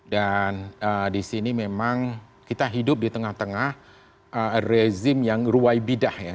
dan di sini memang kita hidup di tengah tengah rezim yang ruwai bidah ya